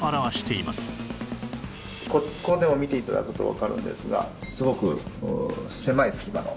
ここでも見て頂くとわかるんですがすごく狭い隙間の。